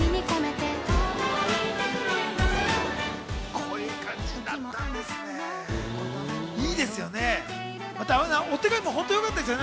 こういう感じになったんですね。